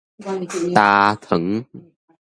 焦糖